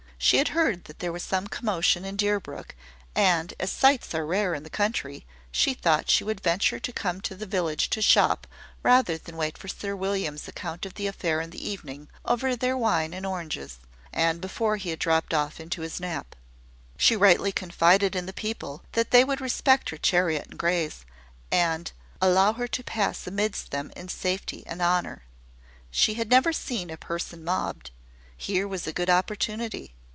She had heard that there was some commotion in Deerbrook; and, as sights are rare in the country, she thought she would venture to come to the village to shop, rather than wait for Sir William's account of the affair in the evening, over their wine and oranges, and before he dropped off into his nap. She rightly confided in the people, that they would respect her chariot and greys, and allow her to pass amidst them in safety and honour. She had never seen a person mobbed. Here was a good opportunity.